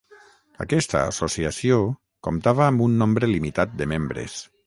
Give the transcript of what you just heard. Aquesta associació comptava amb un nombre limitat de membres.